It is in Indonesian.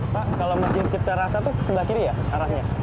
pak kalau masjid kita rasa itu sebelah kiri ya arahnya